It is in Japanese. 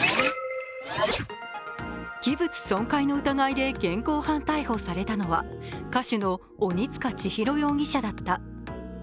器物損壊の疑いで現行犯逮捕されたのは歌手の鬼束ちひろ容疑者だった。